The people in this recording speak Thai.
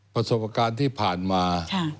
ประสบการณ์ที่ผ่านมา